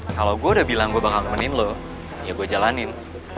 kalau gue udah bilang gue bakal nemenin loh ya gue jalanin